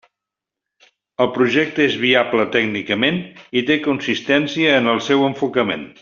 El projecte és viable tècnicament i té consistència en el seu enfocament.